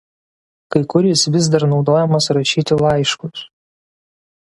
Kai kur jis vis dar naudojamas rašyti laiškus.